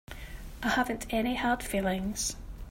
I haven't any hard feelings.